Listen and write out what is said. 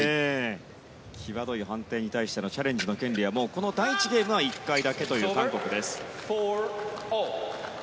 際どい判定に対してのチャレンジの権利はもうこの第１ゲームは１回だけという韓国です。